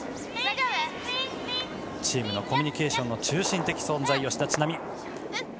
チームのコミュニケーションの中心的存在、吉田知那美。